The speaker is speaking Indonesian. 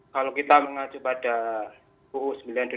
kalau kita mengacu pada uu sembilan dua ribu lima belas